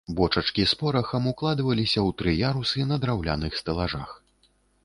Бочачкі з порахам укладваліся ў тры ярусы на драўляных стэлажах.